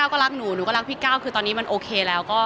คุณคุณสนใจนานไหมคะ